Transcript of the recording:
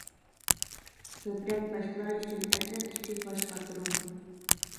كۆپرەك باشقىلار ئۈچۈن ئەترەت ئۈچۈن باش قاتۇرۇڭ.